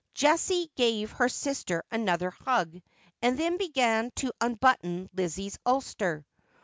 ' Jessie gave her sister another hug, and then began to unbutton Lizzie's ulster.